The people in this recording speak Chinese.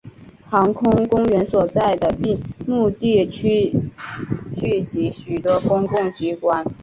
航空公园所在的并木地区聚集许多公共机关。